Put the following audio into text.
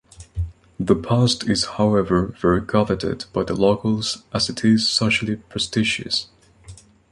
The post is however very coveted by the locals as it is socially prestigious.